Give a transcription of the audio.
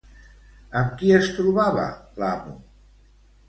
Amb qui es trobava l'amo?